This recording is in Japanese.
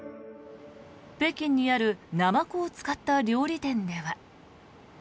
北京にあるナマコを使った料理店では。